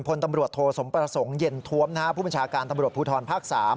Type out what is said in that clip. พลตำรวจโทสมประสงค์เย็นท้วมผู้บัญชาการตำรวจภูทรภาค๓